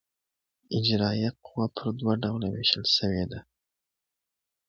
اجرائیه قوه پر دوه ډوله وېشل سوې ده.